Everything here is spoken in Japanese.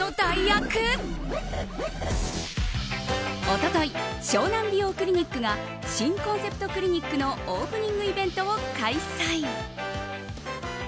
一昨日、湘南美容クリニックが新コンセプトクリニックのオープニングイベントを開催。